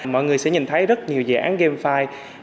mọi người sẽ nhìn thấy rất nhiều dự án game